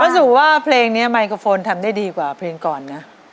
สู่ว่าเพลงนี้ไมโครโฟนทำได้ดีกว่าเพลงก่อนนะ